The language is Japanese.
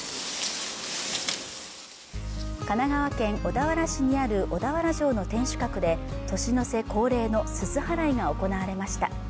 神奈川県小田原市にある小田原城の天守閣で年の瀬恒例のすす払いが行われました